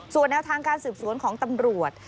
ส่วนแนวทางการสืบสวนของตำรวจ